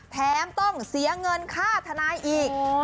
แถมต้องเสียเงินค่าทนายอีก